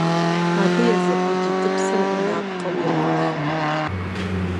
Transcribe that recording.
Абы я зэхуэдитӀыпсыр гъунапкъэу иратхъэ.